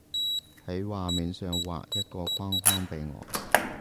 喺畫面上畫一個框框畀我